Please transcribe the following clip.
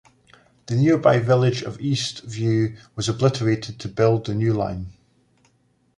The nearby village of East View was obliterated to build the new line.